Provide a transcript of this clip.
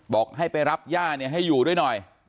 บอกให้ไปรับย่าเนี่ยให้อยู่ด้วยหน่อย